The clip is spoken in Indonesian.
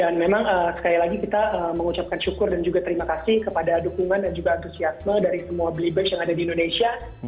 dan memang sekali lagi kita mengucapkan syukur dan juga terima kasih kepada dukungan dan juga antusiasme dari semua blibes yang ada di indonesia